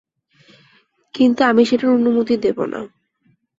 কিন্তু আমি সেটার অনুমতি দেবো না।